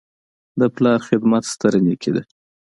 د پلار خدمت ستره نیکي ده.